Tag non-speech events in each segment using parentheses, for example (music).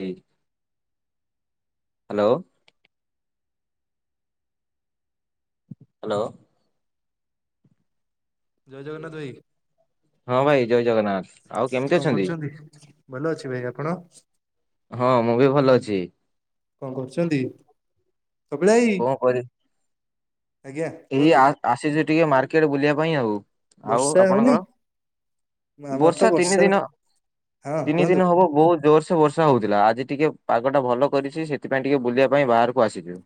(unintelligible) Hello. Hello. ଜୟ ଜଗନ୍ନାଥ ଭାଇ ହଁ ଭାଇ ଜୟ ଜଗନ୍ନାଥ, ଆଉ କେମିତି ଅଛନ୍ତି? (inaudible) ଭଲ ଅଛି ଭାଇ ଆପଣ? ହଁ ମୁଁ ବି ଭଲ ଅଛି। କଣ କରୁଛନ୍ତି? କପିଳା ଭାଇ। କଣ କରି ଆଜ୍ଞା ଏଇ କୁହନ୍ତୁ। ଆ ଆସିଚି ଟିକେ ମାର୍କେଟ୍ ବୁଲିବା ପାଇଁ ଆଉ, ଆଉ ବର୍ଷା ହଉନି ଆପଣଙ୍କର? ଆମର ତ ବର୍ଷା ତିନି ଦିନ, ହଁ ତିନି କୁହନ୍ତୁ ଦିନି ହବ ବହୁତ ଜୋରସେ ବର୍ଷା ହଉଥିଲା ଆଜି ଟିକେ ପାଗଟା ଭଲ କରିଛି ସେଥିପାଇଁ ଟିକେ ବୁଲିବା ପାଇଁ ବାହାରକୁ ଆସିଚୁ।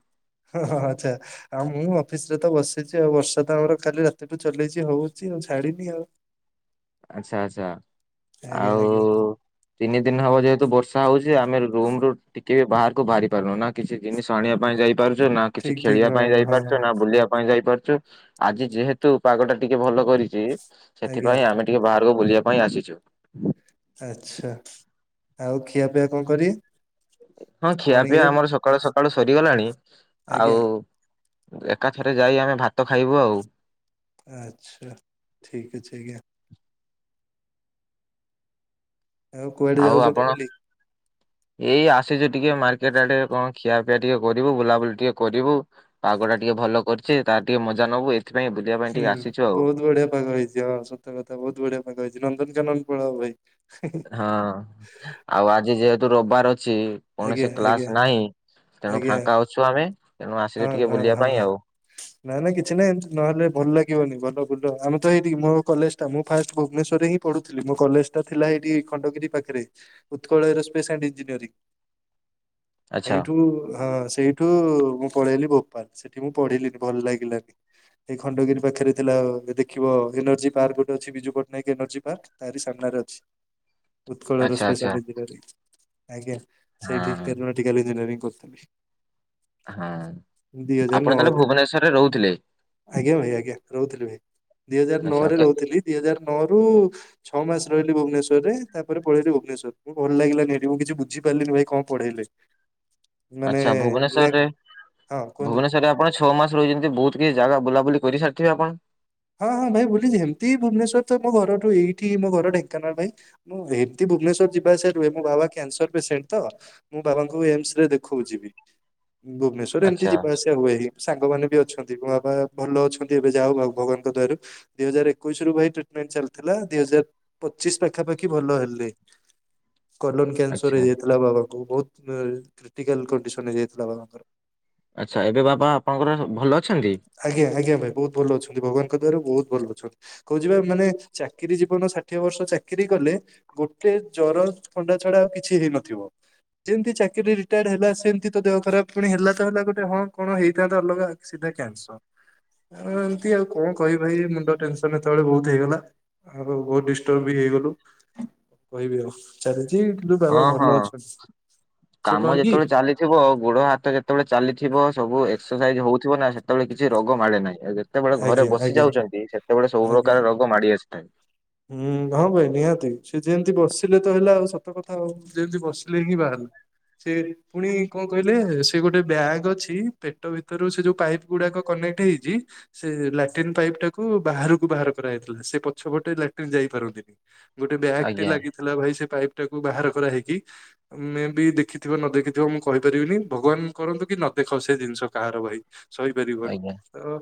ହଁ, ହଁ ଆଚ୍ଛା। ଆଉ, ମୁଁ ଅଫିସ୍ ରେ ତ ବସିଛି ଆଉ। ବର୍ଷା ତ ଆମର କାଲି ରାତିଠୁ ଚଲେଇଛି ହଉଛି। ଆଉ ଛାଡିନି ଆଉ। ଆଚ୍ଛା, ଆଚ୍ଛା, ଆଜ୍ଞା ଆଜ୍ଞା ଆଉ ତିନି ଦିନ ହବ ଯେହେତୁ ବର୍ଷା ହଉଛି, ଆମେ ରୁମ୍ ରୁ ଟିକେ ବି ବାହାରକୁ ବାହାରି ପାରୁନୁ, ନା କିଛି ଜିନିଷ ଆଣିବା ପାଇଁ ଯାଇପାରୁଛୁ, ନା କିଛି ଠିକ ଠିକ ଖେଳିବା ହଁ ପାଇଁ ହଁ ହଁ, ଯାଇପାରୁଛୁ ନା ବୁଲିବା ପାଇଁ ଯାଇପାରୁଛୁ, ଆଜି ଯେହେତୁ ପାଗ ଟା ଟିକେ ଭଲ କରିଛି। ଆଜ୍ଞା ସେଥିପାଇଁ ଆମେ ଟିକେ ବାହାରକୁ ବୁଲିବା ପାଇଁ ଆସିଛୁ। ଆଚ୍ଛା, ଆଉ ଖିଆପିଆ କଣ କରିବେ? ହଁ, ମର୍ଣ୍ଣିଂ ଖିଆପିଆ ରେ ଆମର ସକାଳୁ ସକାଳୁ ସରିଗଲାଣି। ଆଜ୍ଞା ଆଉ ଏକାଥରେ ଯାଇ ଆମେ ଭାତ ଖାଇବୁ ଆଉ। ଆଚ୍ଛା, ଠିକ୍ ଅଛି ଆଜ୍ଞା। ଆଉ କୁଆଡେ ଆଉ ଯାଉଛନ୍ତି ଆପଣ? ବୁଲି? ଏଇ ଆସିଚୁ ଟିକେ ମାର୍କେଟ ଆଡେ, କଣ ଖିଆପିଆ ଟିକେ କରିବୁ, ବୁଲାବୁଲି ଟିକେ କରିବୁ? ପାଗ ଟା ଟିକେ ଭଲ କରିଚି। ତାର ଟିକେ ମଜା ନବୁ ଏତ୍ ସେଥିପାଇଁ ବୁଲିଆ ହୁଁ, ହୁଁ ବହୁତ ବଢିଆ ପାଗ ହେଇଛି। ହଁ, ସତ୍ ତ କଥା ବହୁତ ବଢିଆ ପାଗ ହେଇଛି, ନନ୍ଦନକାନନ ପଳାଅ ଭାଇ। (unintelligible) ହଁ, ଆଉ ଆଜି ଯେହେତୁ, ରବ୍ ବାର ଅଛି। ଆଜ୍ଞା କୌଣସି ଆଜ୍ଞା କ୍ଲାସ୍ ନାହିଁ। ତେଣୁ ଆଜ୍ଞା ଫାଙ୍କା ଅଛୁ ଆମେ, ତେଣୁ ଆସିଲି ହଁ ଟିକେ ହଁ ବୁଲିବା ହଁ ପାଇଁ ଆଉ। ନା, ନାଇଁ କିଛି ନାଇଁ! ଏମିତି ନହେଲେ ଭଲ ଲାଗିବନି। ଭଲ ବୁଲ, ଆମେ ତ ଏଇଠିକି ମୋ କଲେଜ୍ ଟା, ମୁଁ ଫାଷ୍ଟ ଭୁବନେଶ୍ଵରରେ ହିଁ ପଢ଼ୁଥିଲି। ମୋ କଲେଜଟା ଥିଲା ହେଇଠି ଖଣ୍ଡଗିରି ପାଖରେ, ଉତ୍କଳ ଏରୋସ୍ପେସ୍ ଆଣ୍ଡ ଇଞ୍ଜିନିୟରିଂ। ଆଚ୍ଛା। ଟୁ ହଁ, ସେଇଠୁ ମୁଁ ପଳେଇଲି ଭୋପାଲ୍। ସେଠି ମୁଁ ପଢିଲିନି ଭଲ ଲାଗିଲାନି। ଏଇ ଖଣ୍ଡଗିରି ପାଖରେ ଥିଲା ଦେଖିବ ଏନର୍ଜି ପାର୍କ ଗୋଟେ ଅଛି, ବିଜୁ ପଟ୍ଟନାୟକ ଏନର୍ଜି ପାର୍କ। ତାରି ସାମ୍ନାରେ ଅଛି। ଉତ୍କଳର ଆଚ୍ଛା ଆଚ୍ଛା ସ୍ପେସାଲିକ୍ ଦିନରେ, ଆଜ୍ଞା, ସେଇଠି ହଁ ଏରୋନାଟିକାଲ୍ ଇଞଜିନିୟରିଂ ବୁଲତିଲି ହାଁ, ହଜାର ଆପଣ ନଅରେ। ତାହେଲେ ଭୁବନେଶ୍ୱରରେ ରହୁଥିଲେ? ଆଜ୍ଞା ଭାଇ ଆଜ୍ଞା! ରହୁଥିଲି ଭାଇ, ଦି ହଜାର ଆଚ୍ଛା ନଅରେ ଓକେ। ରହୁଥିଲି। ଦି ହଜାର ନଅ ରୁ ଛଅ ମାସ ରହିଲି ଭୁବନେଶ୍ୱରରେ। ତା'ପରେ ପଳେଇଲିି ଭୁବନେଶ୍ଵର। ମୁଁ ଭଲ ଲାଗିଲାନି ଏଠି। ମୁଁ କିଛି ବୁଝିପାରିଲିନି ଭାଇ କଣ ପଢେଇଲେ? ମାନେ ଆଚ୍ଛା, ଭୁବନେଶର୍ ଲା ରେ ହଁ କୁହନ୍ତୁ ଭୁବନେଶ୍ୱର୍ ରେ ଆପଣ ଛଅ ମାସ ରହିଛନ୍ତି। ବହୁତ କିଛି ଜାଗା ବୁଲାବୁଲି କରିସାରିଥିବେ ଆପଣ? ହଁ, ହଁ ଭାଇ ବୁଲିଛି। ହେମ୍ ତି ଭୁବନେଶ୍ୱର ତ ମୋ ଘରଠୁ ଏଇଠି। ମୋ ଘର ଢେ଼ଙ୍କାନାଳ ଭାଇ। ମୁଁ ହେମ୍ ତି ଭୁବନେଶ୍ଵର ଯିବାଆସିବା ରୁହେ। ମୋ ବାବା କ୍ୟାନସର ପେସେଣ୍ଟ ତ! ମୁଁ ବାବାଙ୍କୁ ଏମ୍ସ ରେ ଦେଖୋଉଚିବି ଭୁବନେଶ୍ଵ ଗୋଟେ ଏମିତି ଆଚ୍ଛା ଯିବା ଆସିବା ହୁଏ। ହି ସାଙ୍ଗମାନେ ବି ଅଛନ୍ତି। ମ ବାବା ଭଲ ଅଛନ୍ତି ଏବେ। ଯା ହଉ ଆଉ ଭଗବାନ ଙ୍କ ଦୟାରୁ। ଦି ହଜାର ଏକୋଇଶ ରୁ ଭାଇ ଟ୍ରିଟ୍ ମେଣ୍ଟ ଚାଲିଥିଲା। ଦିଇ ହଜାର ପଚିଶ ପାଖାପାଖି ଭଲ ହେଲେ, କଲନ୍ କ୍ୟାନ୍ସର ଆଚ୍ଛା ହେଇଯାଇଥିଲା ବାବାଙ୍କୁ, ବହୁତ୍ ଅଁ କ୍ରିଟିକାଲ୍ କଣ୍ଡିସନ୍ ହେଇଯାଇଥିଲା, ବାବାଙ୍କର। ଆଛା, ଏବେ ବାବା ଆପଣଙ୍କର ଭଲ ଅଛନ୍ତି? ଆଜ୍ଞା, ଆଜ୍ଞା, ଭାଇ ବହୁତ ଭଲ ଅଛନ୍ତି। ଭଗବାନଙ୍କ ଦୟାରୁ ବହୁତ ଭଲ ଅଛନ୍ତି। କହୁଚିପା, ମାନେ ଚାକିରି ଜୀବନ ଷାଠିଏ ବର୍ଷ ଚାକିରି କଲେ, ଗୋଟେ ଜର, ଥଣ୍ଡା ଛଡା ଆଉ କିଛି ହେଇନଥିବ। ଯେମିତିଚାକିରିୀ ରିଟାୟାର୍ଡ ହେଲା ସେମିତି ତ ଦେହ ଖରାପ ପୁଣି ହେଲା ତ ହେଲା ଗୋଟେ ହଁ କଣ ହେଇଥାନ୍ତା ଅଲଗା ସିଧା କ୍ୟା (unintelligible) ଏମତି ଆଉ କଣ କହିବି ଭାଇ ମୁଣ୍ଡ ଟେନସନ ସେତେବେଳେ ବହୁତ ହେଇଗଲା। ଆଉ ବହୁତ ଡିଷ୍ଟର୍ବ ବି ହେଇଗଲୁ କହିବି ଆଉ। ଚାଲିଛି କିନ୍ତୁ ବାବା ହଁ ହଁ ଭଲ ଅଛନ୍ତି। ସେ କଣ କି ଥିବ ଗୋଡ଼ ହାତ ଯେତେବେଳେ ଚାଲିଥିବ ସବୁ ଏକ୍ସରସାଇଜ ହଉଥିବ ନା ସେତେବେଳେ କିଛି ରୋଗ ମାଡେ ନାହିଁ। ଯେତେବେଳେ ଘରେ ଆଜ୍ଞା ବସି ଆଜ୍ଞା ଯାଉଚନ୍ତି, ସେତେବେଳେ ସବୁ ଆଜ୍ଞା। ପ୍ରକାର ରୋଗ ମାଡି଼ ଆସିଥାଏ। ହୁଁ ହଁ ଭାଇ ନିହାତି ସେ ଯେମିତି ବସିଲେ ତ ହେଲା ଆଉ ସତ କଥା ଆଉ ଯେମିତି ବସିଲେ ହିଁ ବାହାରିଲା। ସେ ପୁଣି କଣ କହିଲେ ସେ ଗୋଟେ ବ୍ୟାଗ୍ ଅଛି। ପେଟ ଭିତରୁ ସେ ଯୋଉ ପାଇପ୍ ଗୁଡା଼କ କନେକ୍ଟ ହେଇଛି। ସେ ଲାଟିନ୍ ପାଇପ୍ ଟାକୁ ବାହାରକୁ ବାହାର କରାଯାଇଥିଲା। ସେ ପଛପଟେ ଲା ଯାଇ ପାରନ୍ତିନି। ଗୋଟେ ବ୍ୟାଗ ଟେ ଆଜ୍ଞା ଲାଗିଥିଲା ଭାଇ ସେ ପାଇପ ଟାକୁ ବାହାର କରା ହେଇକି, ମେ ବି ଦେଖିଥିବ ନ ଦେଖିଥିବ ମୁଁ କହିପାରିବିନି ଭଗବାନ କରନ୍ତୁ କି ନ ଦେଖ ସେ ଜିନିଷ କାହାର ଭାଇ। ସହିପାରିବନି। ଆଜ୍ଞା ତ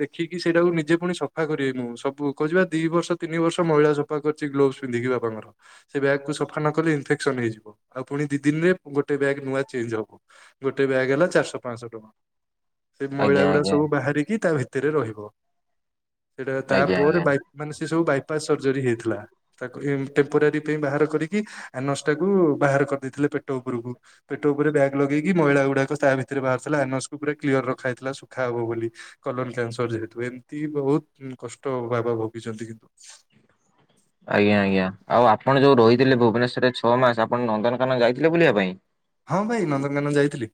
ଦେଖିକି ସେଇଟାକୁ ନିଜେ ପୁଣି ସଫା କରିବେ ମୁଁ। ସବୁ କହୁଚି ବା ଦି ବର୍ଷ ତିନି ବର୍ଷ ମଇଳା ସଫା କରିଛି ଗ୍ଲୋପସ ପିନ୍ଧିକି ବାପଙ୍କର। ସେ ବ୍ୟାଗକୁ ସଫା ନ କଲେ ଇନଫେକ୍ସନ ହେଇଯିବ। ଆଉ ପୁଣି ଦି ଦିନ ରେ ଗୋଟେ ବ୍ୟାଗ ନୂଆ ଚେଞ୍ଜ ହବ। ଗୋଟେ ବ୍ୟାଗ୍ ହେଲା ଚାରିଶ ପାଞ୍ଚଶହ ଟଙ୍କା। ସେ ମଇଳା ଆଜ୍ଞା ଗୁଡା଼ ଆଜ୍ଞା ସବୁ ବାହାରିକି ତା ଭିତରେ ରହିବ‌। ସେଟା ଆଜ୍ଞା ଆଜ୍ଞା ତାପରେ ବାଇ ମାନେ ସେ ସବୁ ବାଇପାସ ସର୍ଜରୀ ହେଇଥିଲା। ତାକୁ ଟେମ୍ପୋରାରୀ ପାଇଁ ବାହାର କରିକି ଆ ନସ ଟାକୁ ବାହାର କରିଦେଇଥିଲେ ପେଟ ଉପରକୁ। ପେଟ ଉପରେ ବ୍ୟାଗ୍ ଲଗେଇକି ମହିଳା ଗୁଡ଼ାକ ତା ଭିତରେ ବାହାରିଥିଲା ଆନସକୁ ପୁରା କ୍ଲିୟର ରଖା ହେଇଥିଲା ଶୁଖା ହବ ବୋଲି। କଲନ କ୍ୟାନସର ଯେହେତୁ ଏମିତି ବହୁତ କଷ୍ଟ ବାବା ଭୋଗିଛନ୍ତି। (unintelligible) ଆଜ୍ଞା, ଆଜ୍ଞା। ଆଉ ଆପଣ ଯୋଉ ରହିଥିଲେ ଭୁବନେଶ୍ୱରରେ ଛଅ ମାସ ଆପଣ ନନ୍ଦନକାନନ ଯାଇଥିଲେ ବୁଲିବା ପାଇଁ? ହଁ ଭାଇ ନନ୍ଦନକାନନ ଯାଇଥିଲି।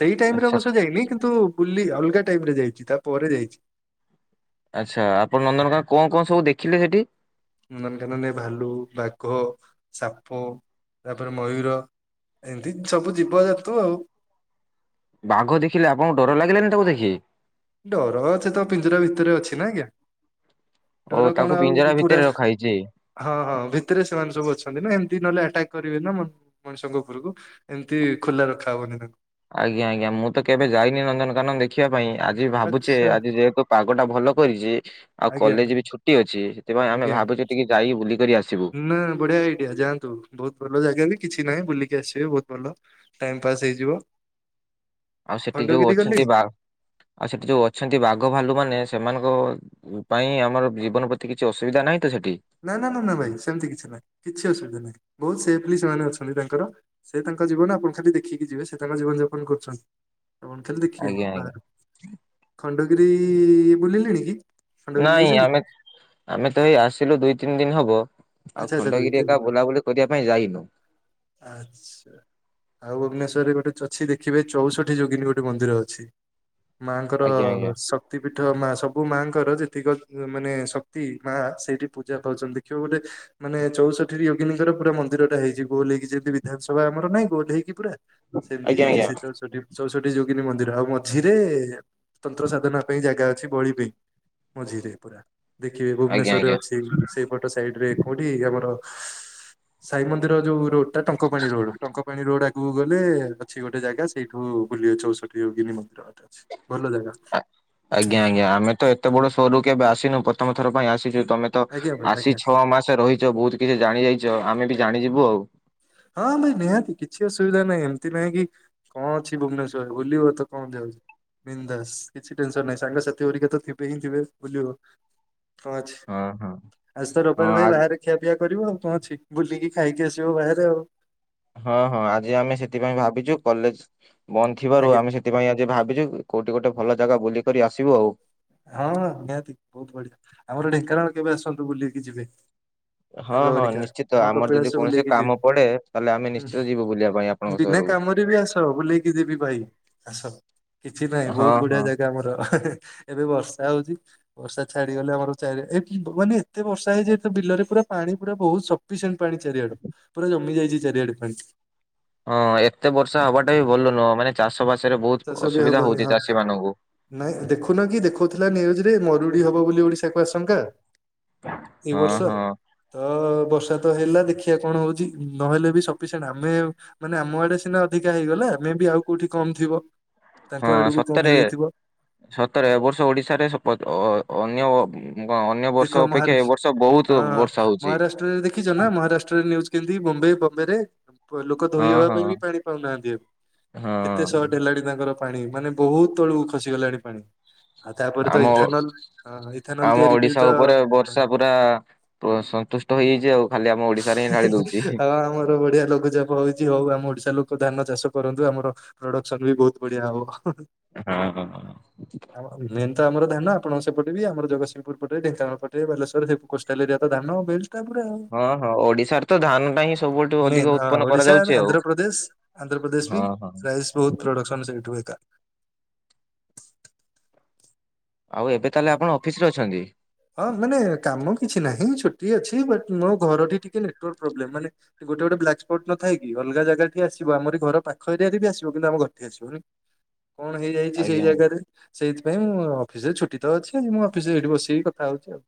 ସେଇ ଟାଇମ ରେ ଆଚ୍ଛା ଅବଶ୍ୟ ଯାଇନି। କିନ୍ତୁ ବୁଲି ଅଲଗା ଟାଇମରେ ଯାଇଚି ତାପରେ ଯାଇଚି। ଆଚ୍ଛା ଆପଣ ନନ୍ଦନକାନନ କଣ କଣ ସବୁ ଦେଖିଲେ ସେଠି? ନନ୍ଦନକାନନରେ‌ ଭାଲୁ, ବାଘ, ସାପ ତାପରେ ମୟୂର ଏମିତି ସବୁ ଜୀବ ଜନ୍ତୁ ଆଉ। ବାଘ ଦେଖିଲେ ଆପଣଙ୍କୁ ଡ଼ର ଲାଗିଲାନି ତାକୁ ଦେଖି? ଡର ସେତ ପିଞ୍ଜରା ଭିତରେ ଅଛି ନା ଆଜ୍ଞା। ଓ ଡର ତାକୁ କଣ ଆଉ। ପିଞ୍ଜରା ଭିତରେ ରଖା (unintelligible) ହେଇଛି। ହଁ ହଁ ଭିତରେ ସେମାନେ ସବୁ ଅଛନ୍ତି ନା ଏମିତି ନହେଲେ ଆଟାକ୍ କରିବେ ନା। ମଣିଷଙ୍କ ଉପରକୁ ଏମିତି ଖୋଲା ରଖାହବନି ତାଙ୍କୁ। ଆଜ୍ଞା, ଆଜ୍ଞା। ମୁଁ ତ କେବେ ଯାଇନି ନନ୍ଦନକାନନ ଦେଖି ଦେଖିବା ପାଇଁ ଆଜି ଭାବୁଛେ ଆଚ୍ଛା ଆଜି ଯେହେତୁ ପାଗ ଟା ଭଲ କରିଛି ଆଉ ଆଜ୍ଞା କଲେଜ ବି ଛୁଟି ଅଛି। ସେଥିପାଇଁ ଆମେ ଆଜ୍ଞା ଭାବୁଛେ ଟିକେ ଯାଇ ବୁଲିକରି ଆସିବୁ। ନା ବଢିଆ ଆଇଡିଆ ଯାଆନ୍ତୁ ବହୁତ ଭଲ ଜାଗା ବି କିଛି ନାହିଁ ବୁଲିକି ଆସିବେ ବହୁତ ଭଲ। ଟାଇମ ପାସ୍ ହେଇଯିବ। ଆଉ ସେଠି ଯୋଉ ଖଣ୍ଡଗିରି ଅଛନ୍ତି ଗଲେଣି ବା ଆଉ ସେଠି ଯୋଉ ଅଛନ୍ତି ବାଘ ଭାଲୁ ମାନେ ସେମାନଙ୍କ ଏ ପାଇଁ ଆମର ଜୀବନ ପ୍ରତି କିଛି ଅସୁବିଧା ନାହିଁ ତ ସେଠି ନା, ନା, ନା, ନା ଭାଇ ସେମିତି କିଛି ନାହିଁ କିଛି ଅସୁବିଧା ନାହିଁ ବହୁତ ସେଫଲି ସେମାନେ ଅଛନ୍ତି ତାଙ୍କର। ସେ ତାଙ୍କ ଜୀବନ ଆପଣ ଖାଲି ଦେଖିକି ଯିବେ ସେ ତାଙ୍କ ଜୀବନ ଯାପନ କରୁଛନ୍ତି। କଣ ଖଲି ଦେଖିବେ ଆଜ୍ଞା ଆଜ୍ଞା ବାହାରୁ ଖଣ୍ଡଗିରି ବୁଲିଲିଣି କି? ଖଣ୍ଡଗିରି ନାଇଁ ଯାଇଛନ୍ତି ଆମେ ଆମେ ତ ଏଇ ଆସିଲୁ ଦୁଇ ତିନି ଦିନ ହବ ଆଉ ଆଚ୍ଛା ଆଚ୍ଛା ଦୁଇ ଖଣ୍ଡଗିରି ତିନି ଏକା ଦିନ। ବୁଲାବୁଲି କରିବା ପାଇଁ ଯାଇନୁ। ଆଚ୍ଛା ଆଉ ଭୁବନେଶ୍ୱରରେ ଗୋଟେ ଚଛି ଦେଖିବେ ଚଉଷଠି ଯୋଗିନୀ ଗୋଟେ ମନ୍ଦିର ଅଛି। ମାଙ୍କର ଆଜ୍ଞା ଆଜ୍ଞା ସ ଶକ୍ତିପୀଠ ମା ସବୁ ମାଙ୍କର ଯେତିକ ମାନେ ଶକ୍ତି ମା ସେଇଠି ପୂଜା ପାଉଛନ୍ତି ଦେଖିବା ଗୋଟେ ମାନେ ଚଉଷଠି ର ଯୋଗିନୀଙ୍କର ପୁର ମନ୍ଦିରଟା ହେଇଛି ଗୋଲ ହେକି ଯେମିତି ବିଧାନସଭା ଆମର ନାଇଁ ଗୋଲ ହେଇକି ପୁରା ସେମତି ଆଜ୍ଞା ଆଜ୍ଞା ହେଇକଛି ସେ ଚଉସଠି ଚଉଷଠି ଯୋଗିନୀ ମନ୍ଦିର ଆଉ ମଝିରେ ତନ୍ତ୍ର ସାଧନା ପାଇଁ ଜାଗା ଅଛି ବଳି ପାଇଁ। ମଝିରେ ପୁରା ଦେଖିବେ ଆଜ୍ଞା ଭୁବନେଶ୍ୱରେ ଆଜ୍ଞା। ଅଛି ସେଇପଟ ସାଇଡ ରେ କୋଉଠି ଆମର ସାଇ ମନ୍ଦିରର ଯୋଉ ରୋଡ ଟା ଟଙ୍କପାଣି ରୋଡ ଟଙ୍କପାଣି ରୋଡ ୁ ଗଲେ ଅଛି ଗୋଟେ ଜାଗା ସେଇଠୁ ବୁଲିବ ଚଉଷଠି ଗିନି ମନ୍ଦିର ଗଟେ ଅଛି ଭଲ ଜାଗା। ଆଜ୍ଞା ଆଜ୍ଞା ଆମେ ତ ଏତେ ବଡ ସୋରରୁୁ କେବେ ଆସିୁ ପ୍ରଥମଥର ପାଇଁ ଆସିଛୁ ତମେ ତ ଆଜ୍ଞା ଭାଇ ଆସିି ଆଜ୍ଞା ଛଅ ମାସ ରହିଛ ବହୁତ କିଛି ଜାଣି ଯାଇଛ ଆମେ ବି ଜାଣିଯିବୁ ଆଉ। ହଁ ଭାଇ ନିହାତି କିଛି ଅସୁବିଧା ନାହିଁ ଏମିତି ନାହିଁ କି କଣ ଅଛି ଭୁବନେଶ୍ୱର ବୁଲିବ ତ କଣ ଯାଉଛି ବିନଦାସ କିଛି ଟେନସନ ନାହିଁ ସାଙ୍ଗସଥି କରରିକା ତ ଥିବେ ହିଁଥିବେ ବୁଲିବାକୁ। ହଁ ଅଛି ଆଜି ତ ହଁ ରବିବାର ଭାଇ ଆଜି ବାହାରେ ଖିଆ ପିଆ କରିବ ଆଉ କଣ ଅଛି ବୁଲିକି ଖାଇକି ଆସିବ ବାହାରେ ଆଉ। ହଁ ହଁ ଆଜି ଆମେ ସେଥିପାଇଁ ଭାବିଛୁ କଲେଜ ବନ୍ଦ ଥିବାରୁ ଆଜ୍ଞା ଆମେ ସେଥିପାଇଁ ଆଜି ଭାବିଛୁ କୋଉଠି ଗୋଟେ ଭଲ ଜାଗା ବୁଲିକ କରି ଆସିବୁ ଆଉ। ହଁ ନିହାତି ବହୁତ ବଢିଆ ଆମର ଢେଙ୍କାନାଳ କେବେ ଆସନ୍ତୁ ବୁଲିକି ଯିବେ। ହଁ ସାଙ୍ଗ ହଁ ହରିକା। ନିଶ୍ଚିତ ଆମ ଆମର କପିଳାସ ଯଦି କୌଣସି ବୁଲେଇକି ଯିବି କାମ ପଡେ ତାହେଲେ ଆମେ ହୁଁ। ନିଶ୍ଚିତ ଯିବୁ ବୁଲିବା ପାଇଁ ଆପଣଙ୍କ ବିନା ସହରକୁ। କାମରେ ବି ଆସ ବୁଲେଇକି ଯିବି ଭାଇ ଆସ କିଛି ନହିଁ ହଁ ବହୁତ ବଢିଆ ହଁ ଜାଗା ଆମର। ଏବେ ବର୍ଷା ହଉଛି। ବର୍ଷା ଛାଡିଗ ଗଲେ ଆମର ଚାରି ମାନେ ଏତେ ବର୍ଷା ହେଇଯତ ବିଲରେ ପୁରା ପାଣି ପୁରା ବହୁତ ସ ପିସଣ ପାଣି ଚାରିଆଡୁ ପୁରା ଜମି ଯାଇଛି ଚାରିଆଡୁ ପାଣି। ହଁ ଏତେ ବର୍ଷା ହବାଟା ବି ଭଲୁ ନୁହଁ ମାନେ ଚାଷ ବାସ ରେ ବହୁତ ଚାଷ ବି ଅସୁବିଧା ହବନି ହଉଛି ହଁ। ଚାଷୀ ମାନଙ୍କୁ ନାଇଁ ଦେଖୁନ କି ଦେଖୁଥିଲା ନିୁଜରେ ମରୁଡି ହବ ବୋଲି ଓଡିଶାକୁ ଆଶଙ୍କା। ଏ ହଁ ବର୍ଷ। ହଁ ତ ବର୍ଷା ତ ହେଲା ଦେଖିବା କଣ ହଉଛି ନହେଲେ ବି ସଫିସିଏଣ୍ଟ ଆମେ ମାନେ ଆମ ଆଡେ ସିନା ଅଧିକା ହେଇଗଲା ଆମେ ବି ଆଉ କୋଉଠି କମ ଥିବ। ତାଙ୍କ ହଁ ଆଡକୁ କମ ସତରେ ହେଇଯାଇଥିବ। ସତରେ ଏବ ବର୍ଷ ଓଡିଶାରେ ଅନ୍ୟ। ଅନ୍ୟ ବର୍ଷ ଦେଖ ଅପେକ୍ଷା ଏ ମହାରାଷ୍ଟ ବର୍ଷ ବହୁତ ହଁ ବର୍ଷା ହଉଛି। ମହାରାଷ୍ଟ୍ରରେ ଦେଖିଛ ନା ମହାରାଷ୍ଟ୍ରରେ ନିୟୁଜ କେମିତି ବମ୍ବେ ବମ୍ବେ ରେ ଲୋକ ଧୋଇ ହଁ ହବା ହଁ ପାଇଁ ବି ପାଣି ପାଉନାହାନ୍ତି। କେତେ ହଁ। ଶଟ ହେଲାଣି ତାଙ୍କର ପାଣି ମାନେ ବହୁତ ତଳକୁ ଖସି ଗଲାଣି ପାଣି। ଆଉ ତାପରେ ତ ଇଥାନଲ ଇଥାନଲ ତିଆରି। ପାଇଁ ଛା ତ ଉପରେ ହଁ ବର୍ଷା ପୁରା ସନ୍ତୁଷ୍ଟ ହେଇଯାଇଛି ଆଉ ଖାଲି ଆମ ଓଡିଶାରେ ହିଁ ଢାଳି ଦଉଛି। ହଁ ଆମର ବଢିଆ ଲଘୁଚାପ ହଉଛି ହଉ ଆମ ଓଡିଶା ଲୋକ ଧାନ ଚାଷ କରନ୍ତୁ ଆମର ପ୍ରୋଡକ୍ସନ୍ ବି ବହୁତ ବଢ଼ିଆ ହବ। ହଁ ହ। ମେନ୍ ତ ଆମର ାନ ଆପଣ ସେପଟେ ବି ଆମ ଜଗ ପୁର ପଟେ ଢେଙ୍କାଳଟେ ବାଲେଶ୍ୱର ସେ କୋଷ୍ଟାଲରିଆ ତ ଧାନ ବିଲ୍ ହଁ ହଁ ଓଡିଶାରେ ତ ଧାନ ଟା ହିଁ ସବୁଠୁ ଅଧିକ ମେନ ହଁ ଉତ୍ପନ୍ନ ଓଡିଶା କରାଯାଉଛି ଆଉ। ଆନ୍ଧ୍ରପ୍ରଦେଶ। ଆନ୍ଧ୍ରପ୍ରଦେଶ ବି ହଁ ହଁ। ରାଇସ୍ ବହୁତ ପ୍ରଡକ୍ସନ ସେଇଠୁ ଏକା। ଆଉ ଏବେ ତାହେଲେ ଆପଣ ଅଫିସରେ ଅଛନ୍ତି। ହଁ ମାନେ କାମ କିଛି ନାହିଁ ଛୁଟି ଅଛି। ବଟ ମୋ ଘରଟି ଟିକେ ନେଟୱାର୍କ ପ୍ରୋବ୍ଲେ। ମାନେ ଗୋଟେ ଗୋଟେ ବ୍ଲାକ ସ୍ପଟ ନ ଥାଏ କି ଅଲଗା ଜାଗାଠି ଆସିବ। ଆମରି ଘର ପାଖ ଏରିଆରେ ବି ଆସିବ କିନ୍ତୁ ଆମ ଘରଠି ଆସିବନି। କଣ ହେଇଯାଇଛି ସେଇ ଆଜ୍ଞା। ଜାଗାରେ ସେଇଥିପାଇଁ ମୁଁ ଅଫିସରେ ଛୁ ଟି ତ ଅଛି ଆଜି ମୁଁ ଅଫିସରେ ଏଠି ବସିକି କଥା ହଉଛି ଆଉ।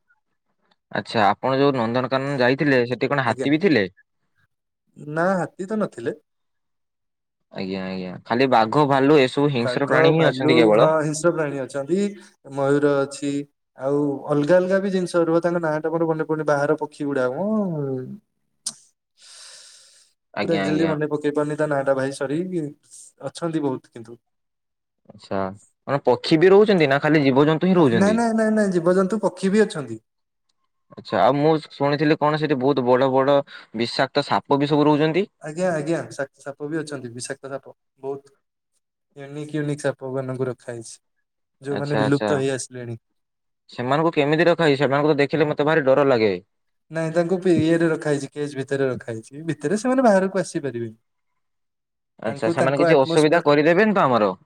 ଆଛା ଆପଣ ଯୋଉ ନନ୍ଦନକାନନ ଯାଇଥିଲେ ସେଠି କଣ ଆଜ୍ଞା ହାତୀ ବି ଥିଲେ? ନା ହାତୀ ତ ନଥିଲେ। ଆଜ୍ଞା ଆଜ୍ଞା ଖାଲି ବାଘ ଭାଲୁ ଏ ବାଘ ଭାଲୁ ହଁ ହିଂସ୍ର ପ୍ରାଣୀ ଅଛନ୍ତି। ମୟୂର ଅଛି ଆଉ ଅଲଗା ଅଲଗା ବି ଜିନିଷ ରୁହ ତାଙ୍କ ନାଁ ଟା ମୋର ମନେ ପଡୁନି। ବାହାର ପକ୍ଷୀ ଗୁଡା ମ ପୁରା ଆଜ୍ଞା ଆଜ୍ଞା। ଏଗଜାଲ୍ଟି ମନେ ପକେଇ ପାରୁନି ତା ନାଟା ଭାଇ ସରି ଅଛନ୍ତି ବୋହୁତ କିନ୍ତୁ। ଆଛା ମାନେ ପକ୍ଷୀ ବି ରହୁଛନ୍ତି। ନା ଖାଲି ଜୀବଜନ୍ତୁ ହିଁ ହଁ ରହୁଛନ୍ତି? ନାଇଁ ନାଇଁ ନାଇଁ ନାଇଁ ଜୀବଜନ୍ତୁ ପକ୍ଷୀ ବି ଅଛନ୍ତି। ଆଛା ଆଉ ମୁଁ ଶୁଣିଥିଲି କଣ ସେଠି ବୋହୁତ ବଡ ବଡ ବିଷାକ୍ତ ସାପ ବି ସବୁ ରହୁଛନ୍ତି। ଆଜ୍ଞା ଆଜ୍ଞା ସା ସାପ ବି ଅଛନ୍ତି ବିଶାକ୍ତ ସାପ ବୋହୁତ। ୟୁନିକ୍ୟୁନିକ୍ ସାପବାନଙ୍କୁ ରଖା ହେଇଛି। ଆଛା ଆଛା ସେମାନଙ୍କୁ କେମିତି ରଖାହେଇଛି? ସେମାନଙ୍କୁ ତ ଦେଖିଲେ ମତେ ଭାରି ଡର ଲାଗେ। ନାଇଁ ତାଙ୍କୁ ପିଇଏରେ ରଖା ହେଇଛି ପେଜ ଭିତରେ ରଖାହେଇଛି। ଭିତରେ ସେମାନେ ବାହାରକୁ ଆସି ପାରିବେନି। ଆଛା ସେମାନେ କିଛି ଆଟମୋସ୍ଫିୟର ଅସୁବିଧା କରିଦେବେନି ତ ଆମର।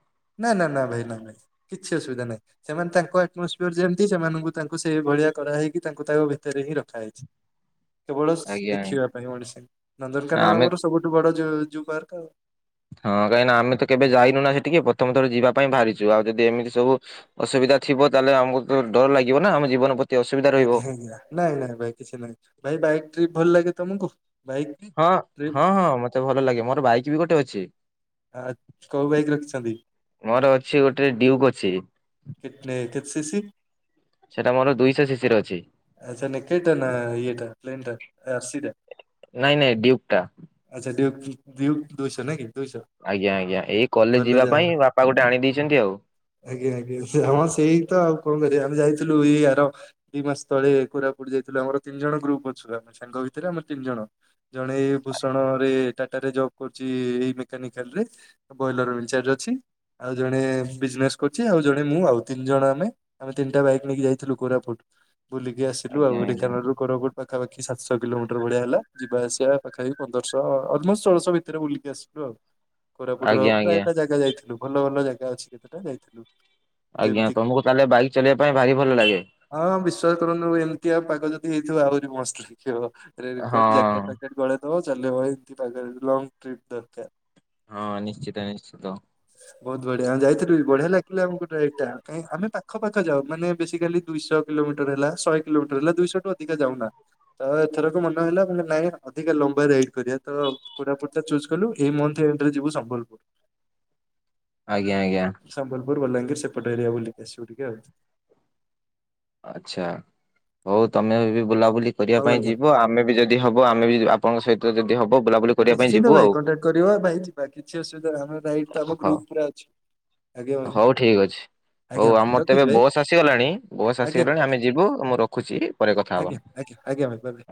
ନା ନା ନା ଭାଇ ନା ଭାଇ କିଛି ଅସୁବିଧା ନାହିଁ। ସେମାନେ ତାଙ୍କ ଆଟମସଫିୟର ଯେମତି। ସେମାନଙ୍କୁ ତାଙ୍କୁ ସେଇ ଭଳିଆ କରାହେଇକି। ତାଙ୍କୁ ତାଙ୍କ ଭିତରେ ହିଁ ରଖାହେଇଛି। କେବଳ ଆଜ୍ଞା। ଦେଖିବା ପାଇଁ ଓଡିଶା। ନନ୍ଦରକାନ ଆମେ ଆମର ସବୁଠୁ ବଡ ଯୋ ଯୋଉ ପାର୍କେ ଆଉ। ହଁ କାହିଁକି ନା ଆମେ ତ କେବେ ଯାଇନୁ ନା ସେଠିକି। ପ୍ରଥମ ଥର ଯିବା ପାଇଁ ବାହାରିଛୁ। ଆଉ ଯଦି ଏମିତି ସବୁ ଅସୁବିଧା ଥିବ। ତାହେଲେ ଆମକୁ ତ ଡର ଲାଗିବ ନା। ଆମ ଜୀବନ ପ୍ରତି ଅସୁବିଧା ରହିବ ଆଜ୍ଞା ଆଜ୍ଞା ନାଇଁ ନାଇଁ ଭାଇ କିଛି ନାଇଁ ଭାଇ ବାଇକ୍ ଟ୍ରିପ ଭଲ ଲାଗେ ତମକୁ। ବାଇକ୍ ହଁ ଟ୍ରିପ୍ ହଁ ହଁ ମତେ ଭଲ ଲାଗେ ମୋର ବାଇକ ବି ଗୋଟେ ଅଛି। ଆ କୋଉ ବାଇକ ରଖିଛନ୍ତି? ମୋର ଅଛି ଗୋଟେ ଡି୍ୟୁକ୍ ଅଛି। କେତନ କେତ ସି ସି। ସେଟା ମୋର ଦୁଇଶହ ଶିଶିରେ ଅଛି। ଆଛା ନେକେଇଟା ନା ଇଏଟା ପ୍ଲେନ୍ ଟା ଆସି ଟା ନାଇଁ ନାଇଁ ଡିୟୁଟି ଟା। ଆଛା ଡିୟୁ ଡିୟୁ ଦୁଇଶହ ନା କି ଦୁଇଶହ? ଆଜ୍ଞା ଆଜ୍ଞା ଏଇ କଲେଜ ଭଲ ଯିବା ଯାଅ ପାଇଁ ବାପା ଗୋଟେ ଆଣି ଦେଇଛନ୍ତି ଆଉ। ଆଜ୍ଞା ଆଜ୍ଞା ସେ ହଁ ସେଇ ତ ଆଉ କଣ କରିବା। ଆମେ ଯାଇଥିଲୁ ଏଇ ଆର ଦି ମାସ ତଳେ କୋରାପୁଟ ଯାଇଥିଲୁ। ଆମର ତିନି ଜଣ ଗ୍ରୁପ ଅଛୁ। ଆମେ ସାଙ୍ଗ ଭିତରେ ଆମେ ତିନି ଜଣ। ଜଣେ ଏଇ ଭୂଷଣ ରେ ଟାଟା ରେ ଜବ୍ କରୁଛି। ଏଇ ମେକାନିକାଲ ରେ ବଏଲର ଇନଚାର୍ଜ ଅଛି। ଆଉ ଜଣେ ବିଜନେସ କରୁଛି। ଆଉ ଜଣେ ମୁଁ ଆଉ ତିନି ଜଣ ଆମେ। ଆମେ ତିନିଟା ବାଇକ ନେଇକି ଯାଇଥିଲୁ କୋରାପୁଟ। ବୁଲିକି ଆସିଲୁ ଆଜ୍ଞା ଆଉ ଆଜ୍ଞା ଢେଙ୍କାନାଳରୁ କୋରାପୁଟ ପାଖାପଖି ସାତଶହ କିଲୋମିଟର ଭଢିଆ ହେଲା। ଯିବା ଆସିବା ପାଖାପାଖି ପନ୍ଦରଶହ ଅଲମୋଷ୍ଟ ସୋଳଶହ ଏଥର ବୁଲିକି ଆସିବା ଆଉ! କୋରାପୁଟର ଆଜ୍ଞା ପୁରା ଆଜ୍ଞା ଏଇଟା ଜାଗା ଯାଇଥିଲୁ। ଭଲ ଭଲ ଜାଗା ଅଛି କେତେଟା ଯାଇଥିଲୁ। ଆଜ୍ଞା ଯେମିତି ତମକୁ ତାହେଲେ ବାଇକ୍ ଚଲେଇବା ପାଇଁ ଭାରି ଭଲ ଲାଗେ। ହଁ ବିଶ୍ଵାସ କରନ୍ତୁ। ଏମିତିଆ ପାଗ ଯଦି ହେଇଥିବ ଆହୁରି ମସ୍ତ ଲାଗିବ। ରେନ୍ ହଁ କୋର୍ଟ ଜ୍ୟାକେଟ ଫାକେଟ୍ ଗଳେଇଦବ, ଚାଲିବ ଭାଇ ଲଙ୍ଗ୍ ଟ୍ରିପ୍ ଦରକାର! ହଁ ନିଶ୍ଚିତ ନିଶ୍ଚିତ। (inaudible) ବହୁତ ବଢିଆ ଯାଇଥିଲି ବି ବଢିଆ ଲାଗିଲା ଆମକୁ ଡ୍ରାଇଭ୍ଟା। କାଇଁ ଆମେ ପାଖ ପାଖ ଯାଉ ମାନେ ବେଶିକାଲି ଦୁଇଶହ କିଲୋମି ମିଟର ହେଲା, ଶେହେ କିଲୋମିଟର ହେଲା, ଦୁଇଶହଠୁ ଅଧିକ ଯାଉନା। ତ ଏଥରକ ମନହେଲା ନାଇଁ ଅଧିକ ଲମ୍ବା ରାଇଡ କରିବା ତ। କୋରାପୁଟ୍ ଟା ଚୁଜ୍ କଲୁ ଏ ମନ୍ଥ୍ ରେ ଏଥର ଯିବୁ ସମ୍ବଲପୁର। ଆଜ୍ଞା ଆଜ୍ଞା। ସମ୍ବଲପୁର, ବଲାଙ୍ଗିର ସେପଟ ଏରିଆ ବୁଲିକି ଆସିବୁ ଟିକେ ଆଉ। ଆଚ୍ଛା! ହଉ ତମେ ଏବେ ବୁଲାବୁଲି କରିବା ହଉ ପାଇଁ ଆଜ୍ଞା ଯିବ ଆମେ ବି ଯଦି ଯଦି ହବ ଆମେ ବି ଆପଣଙ୍କ ସହିତ ଯଦି ହବ ବୁଲାବୁଲି କରିବା ପାଇଁ ନିଶ୍ଚିନ୍ତ ଯିବୁ ଭାଇ ଆଉ କଣ୍ଟାକ୍ଟ କରିବ। ଭାଇ ଯିବା କିଛି ଅସୁବିଧା ଆମର ନାଇଁ ତ ଆମ ହଉ। ଗ୍ରୁପ୍ ପୁରା ଅଛି! ଆଜ୍ଞା ଭାଇ ହଉ ଠିକ୍ ଅଛି! ଆଜ୍ଞା ହଉ ଭାଇ ଆମର ତ ରଖୁଛି ଏବେ ଭାଇ ବସ୍ ଆସିଗଲାଣି, ବସ୍ ଆଜ୍ଞା ଆସିଗଲାଣି। ଆଜ୍ଞା ଆମେ ଯିବୁ। ମୁଁ ରଖୁଛି। ପରେ କଥା ହବା। ଆଜ୍ଞା ଆଜ୍ଞା। ଆଜ୍ଞା ଭାଇ। Bye bye.